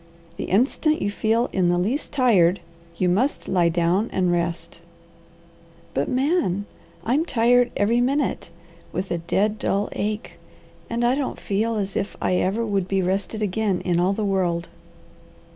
The instant you feel in the least tired you must lie down and rest." "But Man! I'm tired every minute, with a dead, dull ache, and I don't feel as if I ever would be rested again in all the world."